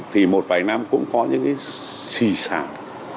thì một vài năm cũng có những cái xì sản